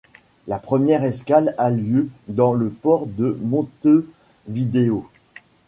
La première escale a lieu dans le port de Montevideo.